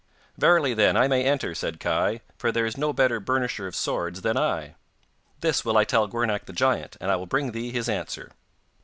'Verily, then, I may enter,' said Kai, 'for there is no better burnisher of swords than I.' 'This will I tell Gwrnach the giant, and I will bring thee his answer.